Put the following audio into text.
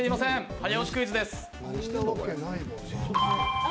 早押しクイズです。